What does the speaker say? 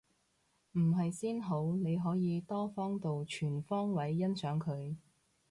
唔係先好，你可以多方度全方位欣賞佢